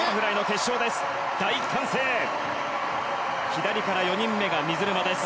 左から４人目が水沼です。